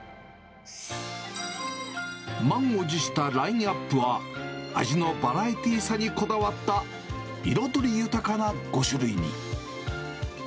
満を持したラインナップは、味のバラエティさにこだわった、彩り豊かな５種類に。